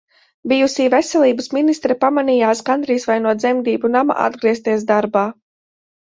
Bijusī veselības ministre pamanījās gandrīz vai no dzemdību nama atgriezties darbā.